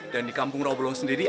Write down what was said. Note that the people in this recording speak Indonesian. dan di kampung rawabelong sendiri